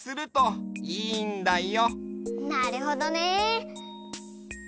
なるほどね。